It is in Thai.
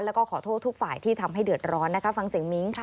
แล้วก็ขอโทษทุกฝ่ายที่ทำให้เดือดร้อนนะคะฟังเสียงมิ้ง